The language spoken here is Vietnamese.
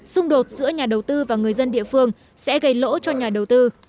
xung đột giữa nhà đầu tư và người dân địa phương sẽ gây lỗ cho nhà đầu tư